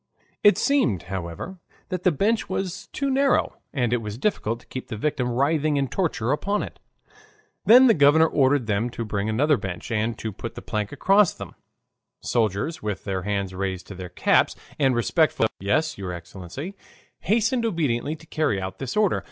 It seemed, however, that the bench was too narrow, and it was difficult to keep the victim writhing in torture upon it. Then the governor ordered them to bring another bench and to put a plank across them. Soldiers, with their hands raised to their caps, and respectful murmurs of "Yes, your Excellency," hasten obediently to carry out this order.